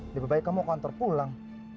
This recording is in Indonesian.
lebih baik kamu kantor pulang